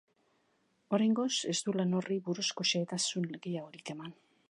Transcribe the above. Oraingoz ez du lan horri buruzko xehetasun gehiagorik eman.